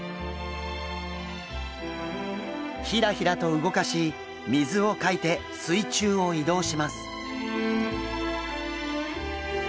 ヒラヒラと動かし水をかいて水中を移動します。